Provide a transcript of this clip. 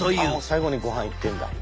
最後にごはんいってんだ。